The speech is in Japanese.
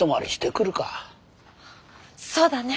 そうだね。